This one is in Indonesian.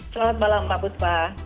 selamat malam mbak buspa